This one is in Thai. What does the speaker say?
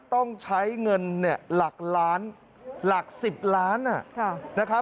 ต้องใช้เงินหลักล้านหลัก๑๐ล้าน